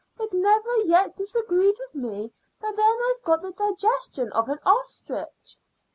It never yet disagreed with me; but then I've got the digestion of an ostrich."